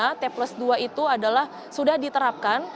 dimana di perdagangan bursa di dunia t plus dua itu adalah sudah diterapkan